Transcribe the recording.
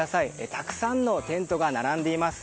たくさんのテントが並んでいます。